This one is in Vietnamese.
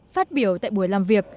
phát biểu tại buổi làm việc